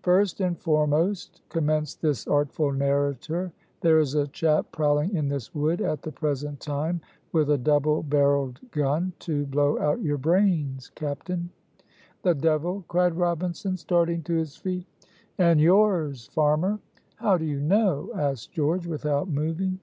"First and foremost," commenced this artful narrator, "there is a chap prowling in this wood at the present time with a double barreled gun to blow out your brains, captain." "The devil," cried Robinson, starting to his feet. "And yours, farmer." "How do you know?" asked George, without moving.